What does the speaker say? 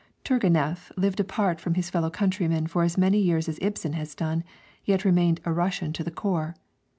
Tourguénieff lived apart from his fellow countrymen for as many years as Ibsen has done, yet remained a Russian to the core.